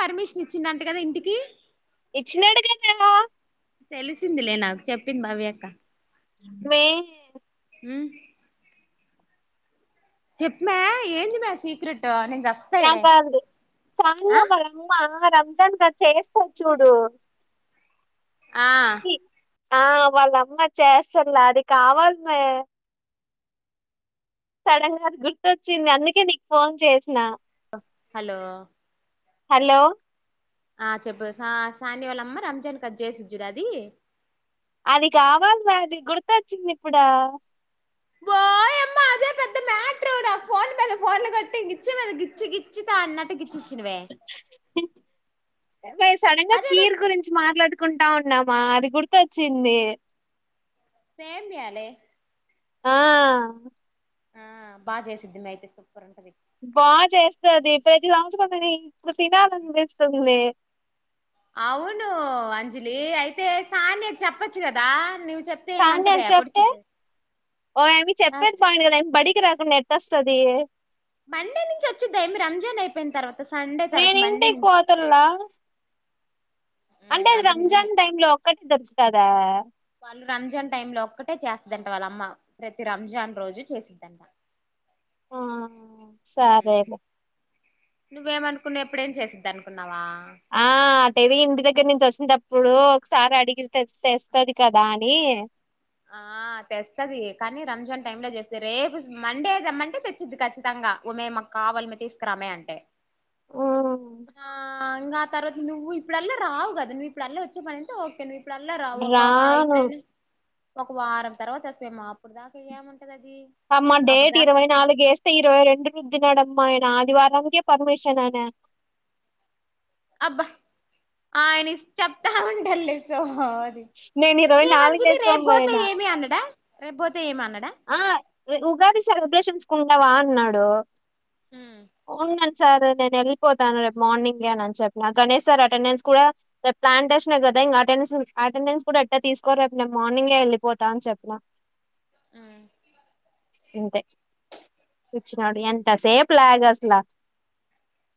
Permission ఇచ్చిందంట కదా ఇంటికి ఇచ్చినాడు కదా తెలిసింది లే నాకు చెప్పింది భవ్యక్క మే హ్మ్ చెప్పమ్మి ఏందమ్మి సీక్రెట్ చస్తా రాంగ్ ఈడే కాల్ ఇది ఆ సానియ వాళ్ళ అమ్మా రంజాన్ కదు చేస్తారు చూడు ఆ చి ఆ వాళ్ళమ్మ చేస్తాలా అది కావాలి మ్మి సడన్ గా అది గుర్తొచ్చింది అందుకే నీకు ఫోన్ చేసిన లో హలో హలో ఆ చెప్పవె సాని వాళ్ళమ్మ రంజాన్ కది చేసిచుడ అది అది కావాలమ్మి అది గుర్తొచ్చింది ఇప్పుడు బాయ్ అమ్మా అదే పెద్ద మ టర్ నాకు ఫోన్ మీద ఫోన్లు కొట్టు ఇ గిచ్చమ్మి గిచ్చు గిచ్చు అన్నట్టు గిచ్చిచ్చినవే మే సడన్ గా అదేదో కీర్ గురించి మాట్లాడుకుంటా ఉన్నామా అది గుర్తొచ్చిందా సేఫ్ ఆ ఆ బా చేసింది అయితే స్వీయ ఉంటది బా చేస్తాది ప్రతి సావత్రం తినాలి అనిపిస్తుంది అవును అంజలి అయితే సానియా కి చేపచు కదా నువ్వు చెప్తే సన్యా ఏమంటదే కి చెప్తే పొడిచిద్ది ఓ ఆయేమ్మీ ఆ ఎత్తొస్తడి మండే నుంచి వచ్చిది ఆయేమ్మీ రమజాన్ అయిపోయిన తరువాత నేను ఇంటికి పోతున్న అంటే అది రంజాన్ టైంలో ఒక్కటే వోచింద్ కదా వాళ్ళు రంజాన్ టైంలో ఒక్కటే చేస్తుందంట వాళ్ళ అమ్మ ప్రతి రంజాన్ రోజు చేసిద్దంట ఆ సరేలే నువ్వమనుకునావు ఎప్పుడేం చేసిది అనుకున్నావా ఆ అటవీ ఇంటి దగ్గర నుంచి వచి ప్పుడు ఒకసారి అడిగితె తెస్తుది కదా అని ఆ తెస్తుది కానీ రమజాన్ టైం లో చేస్తే రేపు మండే తెచీది కచ్చితంగా అమ్మే నాకు కావాలి మే తీసుకో రా మే అంటి ఉమ్ ఆ ఇంగ ఆతర్వాత నువ్వు ఇప్పుడల్లా రావు గద నువ్వు ఇప్పుడల్లా వచ్చేపనుంటే ఒకే నువ్ ఇపుడల్ల రావు ఒకా రాను ఇప్పుడైన ఒక వారం తర్వాత వస్తాయమ్మ అప్పుడు దాకా ఏం ఉంటది అమ్మ డేట్ ఇరవై నాలుగుస్తే ఇరవై రెండుకీ ఇచ్చినాడు పోయిన ఆదివారంకే పర్మిషన్నే అబ్బా ఆయన చెపుతా ఉంటాడు లే ఆది నేను ఇరవై నాలుగు ఏమంజలి రేపు ఏసుకోని బోతే పోయినా ఏమి అన్నాడ రేపొ ఆ ఉగాది సెలబ్రేషన్స్ కుండా వా అన్నాడు ఊ అవునండి సార్ నేను వెళ్ళిపోతాను రేపు మార్నింగే అని చెప్పిన గణేష్ సార్ అటెండెన్స్ కూడా రే ప్లాంటేషన్ కదా ఇంకా అెండెన్ అటెండెన్స్ కూడా ఎట్ట తీసుకోరు రేపు నేను మార్నింగే వెళ్ళిపోతా అని చెప్పిన ఆ ఇంతే చ్చినోడు ఎంత సేప్లాగస్లా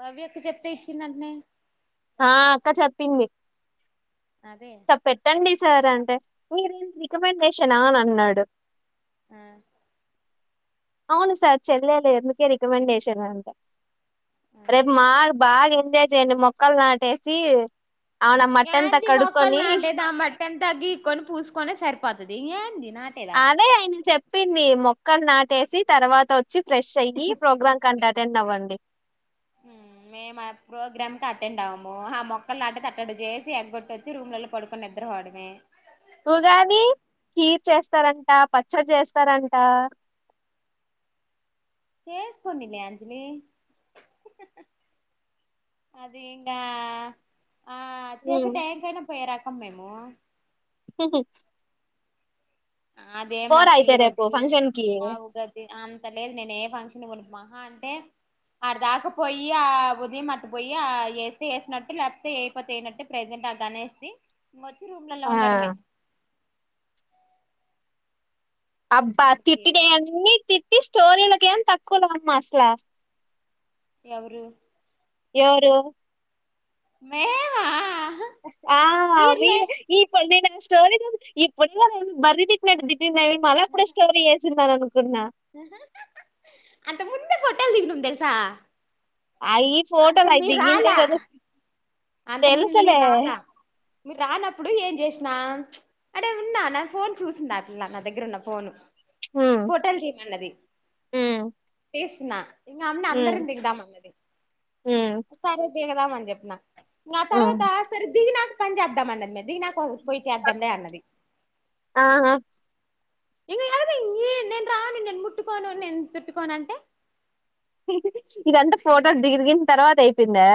భవ్యక్క చెప్తే ఇచ్చిందంట్నే ఆ అక్క చెప్పింది అదే సార్ పెట్టండి సార్ అంటే మీరేంది రికమెండేష్ షనా అన్నాడు. ఆ అవును సార్ చెల్లే లే అందుకే రికమండేషన్ అని అంట. ఆ. రేపు మార్ బాగా ఎ అంతే చేయండి మొక్కల్ నాటేసీ. అవునా మట్టంతా కడుక్కొనీ. ట్టంతా గీక్కొని పూసుకొనే సరిపోతది ఇగ ఏంది. నాటేది ఆడ అదే ఆయన చెప్ చెప్పిందీ మొక్కల్ నాటేసి తర్వాత వచ్ చ్చి ఫ్రెష్ అయ్యి ప్రోగ్రామ్ కండక్ట్ టెండ్ అవ్వండి. ఉమ్ మేమా ప్రోగ్రామ్కి అటెండ్ అవ్వమూ, ఆ మొక్కల్ నాటేది అట్టడ చేసీ ఎగ్గొట్టి వచ్చి రూమ్లలో పడుకొని నిద్రపోడమే. ఉగాదీ కీర్ చేస్తారంటా, పచ్చడ్ చేస్తారంటా. చేసుకోనిలే అంజలీ. అది ఇంగా ఆ చేసే ఉమ్. టైయం కయినా పోయిరా కమ్ మేమూ. హహ అదేం నాక్ రేపు కీరొద్దూ. ఫంక్షన్ కి ఆవు గడ్డి అంతలేద్ నేను ఏ ఫంక్షన్ పోను. మహా అంటే, ఆడ దాకా పొయ్యీ ఆ ఉదయం అటు పోయి ఆ ఏస్తే ఏసినట్టు లేకపోతే ఏయకపోతే ఏయనట్టే ప్రజెంట్ ఆ గణేష్ది. వచ్చి రూమ్లల్ల ఆ ఉండడమే. అబ్బా ఆడికి ఈడికి తిట్టినయి అన్నీ తిట్ ఈ స్టోరీలకేం తక్కువలేవమ్మా అసలా. ఎవరూ. ఎవరూ. మేహా ఆ మీర్ ఈ [unintelligible] స్టోరీ [unintelligible] [unintelligible] ఇప్పుడే కదా తిట్టింది అది మళ్ళ అప్పుడే స్టోరీ ఏసిందని అనుకున్ అంత మున్ దే ఫోటోల్ దిగినం తెలుసా. అ ఈ అంత ఫోటోల్ అయి మీరు దిగిందే రాలా [unintelligible] కీ అంత ముందుండి మీర్ రాలా. మీరు రానప్పుడు ఏం చేశినా, ప్చ్ అటే ఉన్నా నా ఫోన్ చూసిందా పిల్ల. నా దగ్గర ఉన్న ఫోను. ఉమ్ హోటల్ టీమ్ అన్నది ఉమ్. ఇ నా ఇ అమ్ను హ్మ్ అందరం దిగదా అన్నది హ్మ్ సరే దేహ [unintelligible] చెప్పనా నా తర్వాత హ్మ్. సర దీగినా గా చెపుదాం అన్నది దిగిన ఓక్ పోయి చేద్దం లే అన్నది ఆహా ఇంక ఎ నేను రాను నేను ముట్టుకోను నేను తుట్టుకోను అంటే ఇదంతా ఫొటోస్ దిరిగిన తర్వాత అయిపోయిందా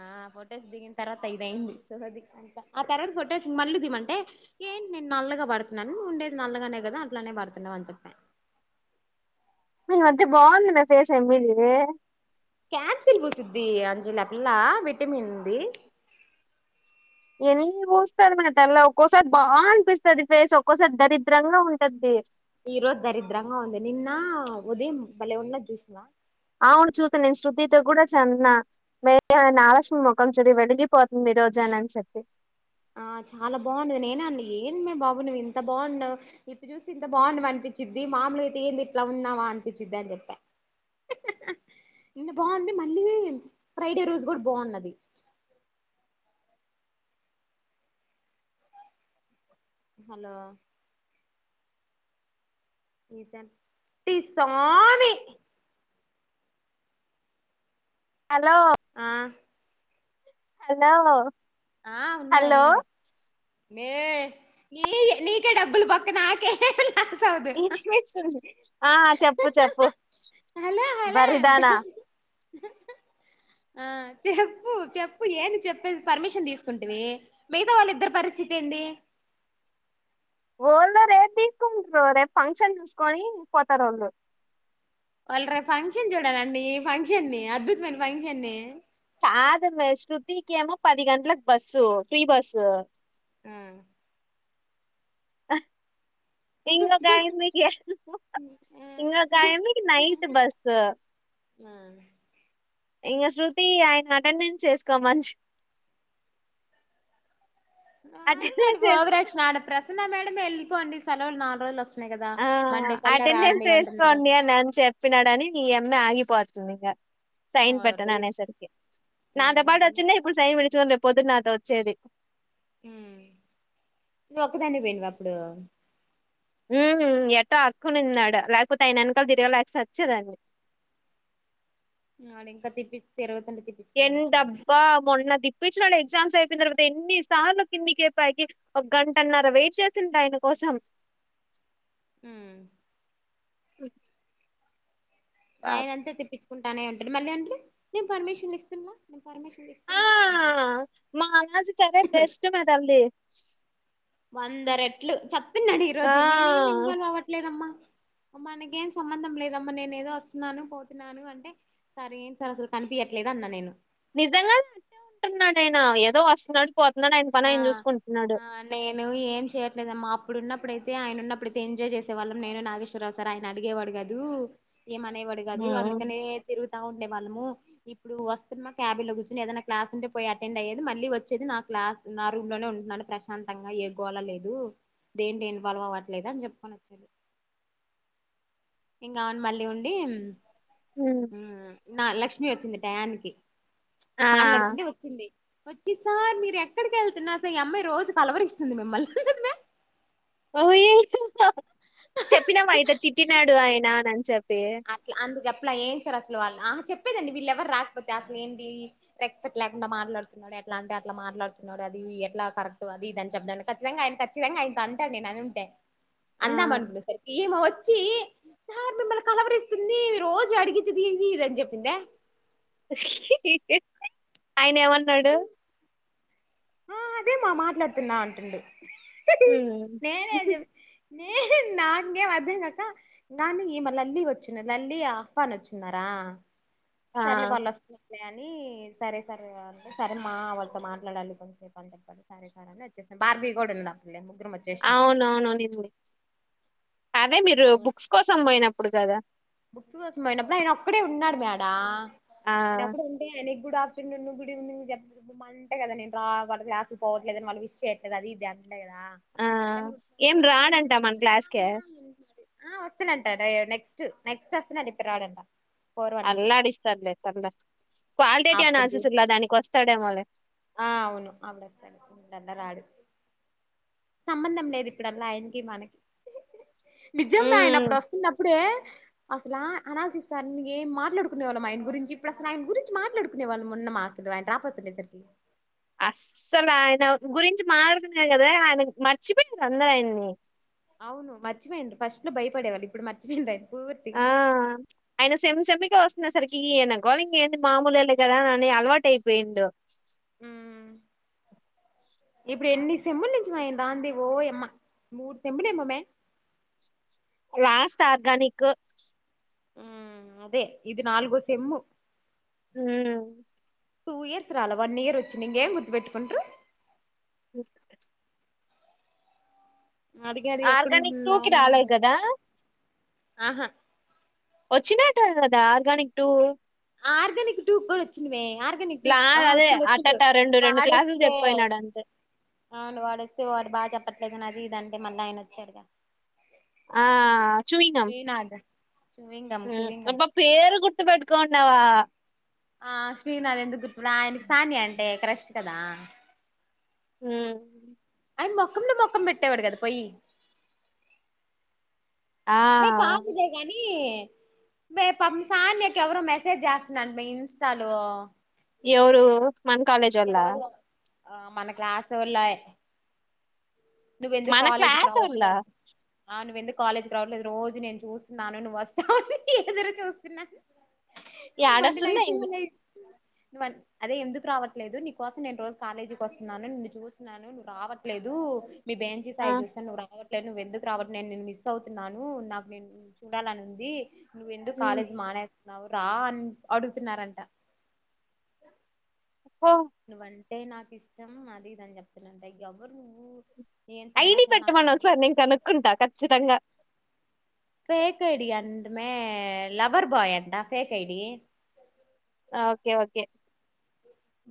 ఆ ఫొటోస్ దిగిన తర్వాత ఇదయింది, సు ఆ తర్వాత ఫొటోస్ మళ్ళీ దిమంటే ఏంటి నేను నల్లగా పడుతున్నాను ఉండేది నల్లగానే కదా అట్లానే పడుతున్నామ అని చెప్పా మే ఈ మధ్య బాగుంది మే ఫేస్ అమ్మీ నీది క్యాప్సిల్ పూసిద్ది అంజలి ఆ పిల్లా విటమిన్ ది ఎన్ని పూస్తర్ మే తెల్ల ఒక్కోసారి బాగా అనిపిస్తుది ఫేస్ ఒక్కోసారి దరిద్రంగా ఉంటద్ది. ఈరోజు దరిద్రంగా ఉంది నిన్న ఉదయం భలే ఉన్నది చూసినవా అవును చూసాను నేను శృతితో కూడా చన్న మే ఆ నాగలక్ష్మి ముఖం చూడి వెలిగిపోతుంది. ఈ రోజు అని అని చెప్పి, ఆ చాలా బాగుండేది నేనే అన్న ఏంది మే బాబు నువ్వు ఇంత బాగున్నవ్ ఇట్ చూస్తే ఇంత బాగున్నవు అనిపించిద్ది మామూలు అయితే ఏంది ఇట్లా ఉన్నావా అనిపించిది అని చెప్పా, నిన్న బాగుంది మళ్ళీ ఫ్రైడే రోజు కూడా బాగున్నది. హలో టీ ఇస్సావాని హలో ఆ హలో ఆ ఉన్నా హలో ఉన్నాలే నీ నీకే డబ్బులు బొక్క నాకేం లే ఇంచుమించు ఉంది ఆ చెప్పు చెప్పు హలో హలో అంట బర్రెదానా ఆ చెప్పు చెప్పు ఏంది చెప్పేది పర్మిషన్ తీసుకుంటివి మిగతా వాళ్ళు ఇద్దరు పరిస్థితి ఏంది? వోళ్ళు రేపు తీసుకుంట్రు రేపు ఫంక్షన్ చూసుకొని పోతారు వళ్ళు వాళ్ళ రేపు ఫంక్షన్ చూడాలండి ఈ ఫంక్షన్ని అద్భుతమైన ఫంక్షన్ని ఆదిమే శృతికి ఏమో పది గంటలకు బస్సు ఫ్రీ బస్సు ఆ అ ఇంగొక ఆయమ్మికి ఇం గొక ఆయిమ్మికి నైట్ బస్సు. ఇంక శృతి ఆయన అటెండెన్స్ చేసుకోమంచి వాడు వాడి ఓవరాక్షన్ ఆడ ప్రస నా మేడమ్ వెళ్ళిపోండి సలవులు నాలుగుోజులుస్త ఆ అటెండెన్స్ అంటుంది వేసుకోండి అని అని చెప్పినాడని న అమ్మ ఆగిపో పోతుంది ఇంకా సైన్ పట్ట న ఓరి నేసరికి నా అంత పాట దేవుడా వచ్చ ఇప్పుడు సైన్ పెట్టే పొదునాతో వచ్చేది మ్మ్ నువ్ ఒకదాన్ని పోయినవా అప్పుడు మ్మ్ ఎటో అక్కుని ఉన్నాడు లేకపోతే అయిన వెనకలు తిరగలేక సచ్చేదాన్ని నాళ ఇంకా తిప్పిరు తిర్ ఎంతబ్బా మొన్న దిప్పచ్చినడే ఎగ్జామ్స్ అయిపోయిన తర్వాత ఎన్ని సార్లు కిందికి పైకి ఒక గంటన్నర వెయిట్ చేసాం ఆయన కోసం మ్మ్ ఓ ఆయనంతే తిప్పించ్ కుంటానే ఉంటడు మళ్ళీ అంటాడు నేను పర్మిషన్ ఇస్తున్నా పర్మిషన్లు ఆ ఇస్తున్నా అంటాడు మా అనాజు చరే బెస్ట్ మ తల్ది వంద రేట్లు చప్ అన్నాడు ఈ ఆ రోజు నేనేమి ఇన్వాల్వ్ అవ్వట్లేదమ్మా మనకేం సంబందాం లేదమ్మా నేను ఏదో వస్తున్నాను పోతున్నాను అంటే సరే ఏం సార్ అసలు కనిపియట్లేదు అన్న నేను నిజంగానే అటే ఉంటున్నా నేను ఏదో వస్తున్నాడు పోతున్నాడు ఆయన పని ఆ ఆయన చూసుకుంటున్నాడు ఆ నేను ఏం చేయట్లేదు అమ్మ ఆప్పుడున్నప్పుడైతే ఆయన ఉన్నప్పుడైతే ఎంజాయ్ చేసేవాళ్ళం నేను నాగేశ్వరరావు సార్ ఆయన అడిగేవాడు కాదు ఏం అనే వాడు కాదు ఉమ్, అందుకనే తిరుగుత్ ఉండే వాళ్ళము ఇప్పుడు వస్తున్న క్యాబీలో కూచొని ఏదైనా క్లాస్ ఉంటే పోయి అటెండ్ అయ్యే మళ్ళీ వచ్చేది నా క్లాస్ నా రూమ్ లోనే ఉంటున్నాను ప్రశాంతంగా ఏ గోల లేదు దేంట్లో ఇన్వాల్వ్ అవ్వట్లేదు అని చెప్పుకొని వచ్చారు ఇంకావును మళ్ళీ ఉండి ఉమ్. మ్మ్ నా లక్ష్మి వచ్చింది టయానికి ఆ మాట్లాడుతుంటే వచ్చింది వచ్చి సార్ మీరక్ ఇక్కడికి వెళ్తున్నారూ సార్ ఈ అమ్మాయి రోజు కలవరిస్తుంది మిమ్మల్ని ఓయీ [unintelligible] చెప్పినం అయితే తిట్టినాడు ఆయన అని చెప్పి అట్లా అందు చెప్పలా ఏం సార్ అసలు వాళ్ళు ఆ చెప్పేదండి వీళ్ళ ఎవరు రాకపోతే అసలు ఏంటి రెస్పెక్ట్ లేకుండా మాట్లాడుతున్నాడు ఎట్లా అంటే అట్లా మాట్లాడుతున్నాడు అది ఎట్లా కరెక్ట్ అది ఇది అని చెప్దాండి ఖచ్చితంగా ఆయన ఖచ్చితంగా ఆయన తంటాడు నేను అని ఉంటే ఆ అందాం అనుకునేసరికి ఈమె వచ్చి సార్ మిమ్మలన్ కలవరిస్తుంది రోజు అడిగితే అది ఇదని చెప్పిందే ఆయన ఏమన్నాడు ఆ అదే మా మాట్లాడుతున్నా అంటుండు నేనే మ్మ్ చెప్ నేను నాకేం అదం కాక కానీ మ లల్లీ వచ్చున్నారు లల్లీ ఆఫ్న్ వచ్చిన్నారా ఆ సర్లే వాల్ వస్తూలే ఆన్ రీ సరే సరే అంటే సరే మా వాళ్ళతో మాట్లాడాలి కొం రే ప అప్పడి సరే సార్ అని వచ్చేశాం బార్గ్వీ కూడా ఉంది ఆ పిల్లేమో అవునువును ఉన్నింది అదే మీరు బుక్స్ కోసం పోయినప్పుడు కదా బుక్స్ కోసం పోయినప్పుడు ఆయన ఒక్కడే ఉన్నాడు మే ఆడ ఆ అయన అప్పుడే ఉంటే ఆయనకి కూడా [unintelligible] వాళ్ళ క్లాస్ కి పోవట్లేదు అని వాళ్ళు విష్ చేయట్లేదు అది ఇది అని అండే కదా ఆ అందుకని గుడ్ ఏం మానింగ్ సార్ అంటే రాడంట మన క్లాస్ కే [inaudible] ఆ వస్తుండంటా డై య నెక్స్ట్ నెక్ట్ అస్తుండంట ఇప్పుడు రాడంటా అల్లాడిస్తాడులే త్వర్లా క్వాలిటేటివ్ అప్పుడు చూ అనాలసిస్ ఉల్లా దానికి వస్తాడేమో లే ఆ అవును [inaudible] ఇప్పుడల్లా రాడు సంబంధం లేదు ఇప్పుడల్లా ఆయనకి మనకి నిజం మే ఆయన ఉమ్ అప్పుడు వస్తున్నప్పుడే అసలా అనాలసిస్ సార్ ని ఏం మాట్లాడుకునే వాళ్ళం ఆయన గురించి ఇప్పుడసలు ఆయన గురించి మాట్లాడుకునే వాళ్ళం ఉన్నమా అసలు ఆయన రాపోతుండేసరికి అస్సలు ఆయన గురించి మాడాడుకునేది కదా ఆయన మర్చిపోయారు అందరూ ఆయన్ని అవును మర్చిపోయిండ్రు ఫస్ట్ లో భయపడేవాళ్ళు ఇప్పుడు మర్చిపోయిండ్రా ఆ అయన సెమ్ సెమి కి వస్తున్నే సరికి ఈయన గోల ఇంగేంది మామూలే లే కదా అని అలవాటు అయిపోయిండు హుమ్ ఇప్పుడు ఎన్ని సెమ్ముల్ నుంచి మే దాంది ఓయమ్మా మూడు సెమ్ముల్ ఏమో మే లాస్ట్ ఆర్గనిక్ హమ్ అదే ఇది నాల్గో సెమ్ము హుమ్ టూ ఇయర్స్ రాల వన్ ఇయర్ వచ్చింది ఇంకేం గుర్తు పెట్టుకుంట్రు అడిగాడు ఆర్గానిక్ టూ ఎక్కడుంటుందా కి రాలే అన్నాను కదా ఆహా వచ్చినటె కదా ఆర్గానిక్ టు ఆర్గానిక్ టూ గుడా వచ్చింది మే ఆర్గానిక్ టు లా ఆ అదే వచ్చిండు వచ్చిండు అట్టట రెండు రెండు క్లాసులు వాడొస్తే చెప్పిపోయినాడు అంతే అవును వాడొస్తే వాడు బాగా చెప్పట్లేదు అది నీదానికే మొన్న ఆయన వచ్చాడుగా ఆ చుయింగం శ్రీనాథ్ చూవింగం హుమ్ చూవింగం అబ్బ పేరు గుర్తు పెట్టుకోండవా ఆ శ్రీను అదెందుకు గుర్ ఇప్పుడు ఆయనకి ఫ్యాని అంటే క్రష్ కదా హుమ్ అయ్ మొకంలో మొకం పెట్టే వాడు గదా పొయి ఆ మే కాదులే గానీ మే పాపం సాన్యకెవరో మెసేజ్ చేస్తునారు మే ఇన్స్టాలో ఎవరు మన కాలేజోళ్ళా ఎవరో ఆ మన క్లాసోళ్ళాయ్ నువ్వెందుకు మన కాలేజీకి క్లాస్ వాళ్ళ రావట్లే ఆ నువ్వెందు కాలేజ్కి రావట్లేదు రోజు నేను చూస్తున్నాను నువ్వు వస్తావని ఎదురు చూస్తున్నాను యాడొస్తున్నాయేంది నువన్ అదే ఎందుకు రావట్ లేదు నీ కోసం నేను రోజు కాలేజీకి వస్తున్నాను నిన్ను చూస్తున్నాను నువ్వు రావట్లేదు మీ బేంచి ఆ, సైడ్ చూసే నువు రావట్ లే నువ్వెదుకు రావట్లేదు నేను మిస్ అవుతున్నాను నాకు నిన్ను చూడాలని ఉంది నువ్వెందుకు ఉమ్, కాలేజ్ మానే నావ్ రా అన్ అడుగుతున్నారంట ఓ నువ్వన్ టే నాకిష్టం అది ఇదని చెప్తుండంట ఇగ [unintelligible] నువ్వు ఏం ఐడి తమాషా నాకు పెట్టమను నవ్వరు ఒకసారి నేను కనుక్కుంటా ఖచ్చితంగా ఫేక్ ఐడి అంట మే లవర్ బాయ్ అంటా ఫేక్ ఐడి ఆ ఓకే ఓకే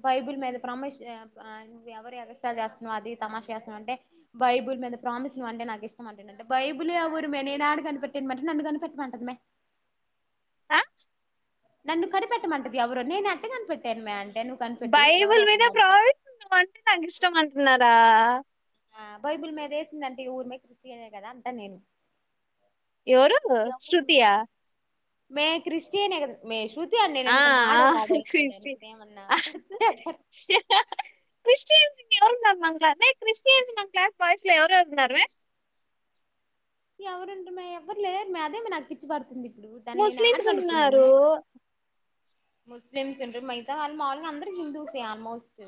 బైబుల్ మీద ప్రామిస్ [unintelligible] మే ఎవరు ఎగస్ట్రాలు చేస్తున్నావ్ అది తమాష చేస్తన్నావు అంటే బైబుల్ మీద ప్రామిస్ నువ్వంటే నాకిష్టం అంటుండంట బైబుల్ ౠవురిమే నేను యాడ కనిపెట్టేది మే అంటే నన్ను కనిపెట్టమంటది మే ఆ నన్ను కనిపెట్టమంటది ఎవరో నేను ఎట్ట కనపెట్టేది మే బైబుల్ మీద ప్రామిస్ నువ్వంటే నాకు ఇష్టం అంటున్నారా ఆ బైబుల్ మీద వేసిండంటే ఎదురు మే క్రిస్టియనే కదా అంటా నేను ఎవరు ఎవరు శృతి యా మే క్రిస్టియన్ కద మే శృ ఆ ఆ క్రిష్టి [inaudible] ఇదేమన్నా క్రిస్టియన్స్ ఎవరున్నారు మన క్లా మే క్రిస్టియన్స్ మన క్లాస్ బాయ్స్ లో ఎవరెవరున్నారు మే ఎవరుంట మే ఎవరు లేరు మే అదే మే నాకు పిచ్చి పడతుంది ముస్లిమ్స్ ఉన్నారు ముస్లిమ్స్ ఉండరు మిగతా వాళ్లు మామూలుగా అందరూ హిందూసే ఆల్మోస్ట్